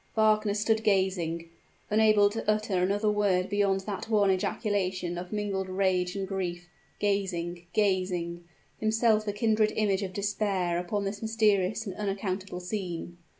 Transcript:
Wagner stood gazing unable to utter another word beyond that one ejaculation of mingled rage and grief gazing gazing, himself a kindred image of despair, upon this mysterious and unaccountable scene.